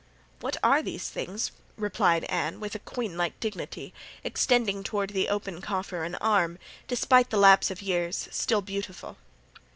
"What are these things?" replied Anne, with queen like dignity, extending toward the open coffer an arm, despite the lapse of years, still beautiful.